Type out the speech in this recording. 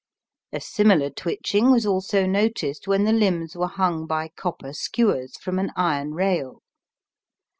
A similar twitching was also noticed when the limbs were hung by copper skewers from an iron rail.